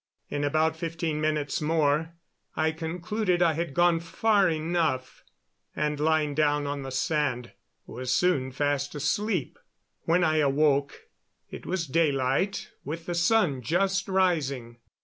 In about fifteen minutes more I concluded I had gone far enough, and, lying down on the sand, was soon fast asleep. When I awoke it was daylight, with the sun just rising.